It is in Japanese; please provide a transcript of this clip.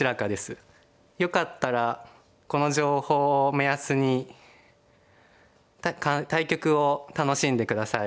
よかったらこの情報を目安に対局を楽しんで下さい。